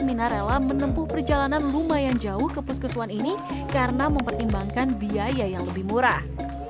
mina rela menempuh perjalanan lumayan jauh ke puskesuan ini karena mempertimbangkan biaya yang lebih murah